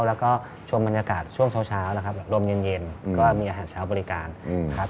แล้วก็ชมบรรยากาศช่วงเช้านะครับแบบลมเย็นก็มีอาหารเช้าบริการครับ